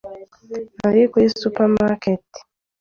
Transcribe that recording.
Nari kuri supermarket.